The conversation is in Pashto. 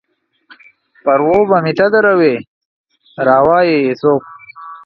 پر و به مې ته دروې ، را وا يي يې څوک؟